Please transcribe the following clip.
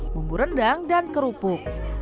bumbu rendang dan kerupuk